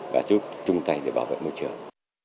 và giúp trung tay để bảo vệ môi trường